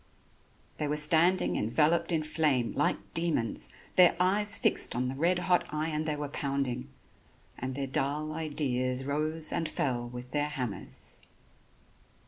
They were standing enveloped in flame, like demons, their eyes fixed on the red hot iron they were pounding; and their dull ideas rose and fell with their hammers.